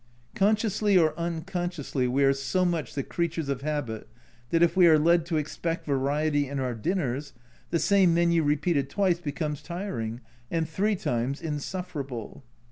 Consciously or unconsciously, we are so much the creatures of habit that if we are led to expect variety in our dinners, the same menu repeated twice becomes tiring and three times insufferable.